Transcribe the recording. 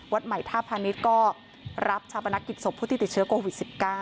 วัดใหม่ท่าพาณิชย์ก็รับชาปนักกิจศพผู้ที่ติดเชื้อโควิด๑๙